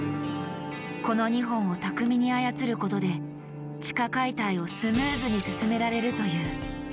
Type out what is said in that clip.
この２本を巧みに操ることで地下解体をスムーズに進められるという。